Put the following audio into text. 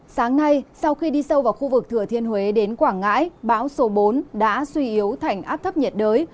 sáng nay sau khi đi sâu vào khu vực thừa thiên huế đến quảng ngãi bão số bốn đã suy yếu thành áp thấp nhiệt đới